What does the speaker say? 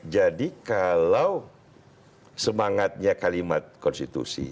jadi kalau semangatnya kalimat konstitusi